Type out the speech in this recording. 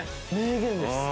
名言です。